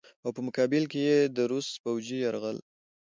او په مقابله کښې ئې د روس فوجي يرغل